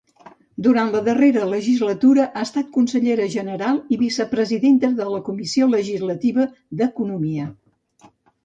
Durant la darrera legislatura ha estat Consellera General i Vicepresidenta de la Comissió Legislativa d’Economia.